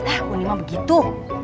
aku nih mah begitu